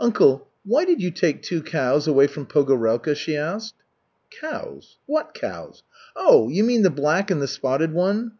"Uncle, why did you take two cows away from Pogorelka?" she asked. "Cows, what cows? Oh, you mean the black and the spotted one?